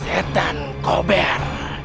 sedang mencapai suggestijo